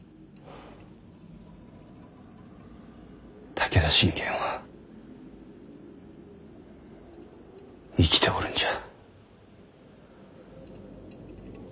武田信玄は生きておるんじゃ。